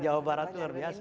jawa barat itu luar biasa